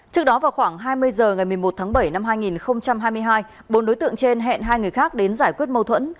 trước đó vào khoảng hai mươi h ngày một mươi một tháng bảy năm hai nghìn hai mươi hai bốn đối tượng trên hẹn hai người khác đến giải quyết mâu thuẫn